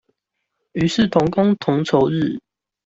於是同工同酬日